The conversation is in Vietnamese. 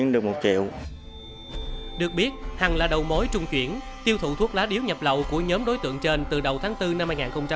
được biết hằng là đầu mối trung chuyển tiêu thụ thuốc lá điếu nhập lậu của nhóm đối tượng trên từ đầu tháng bốn năm hai nghìn hai mươi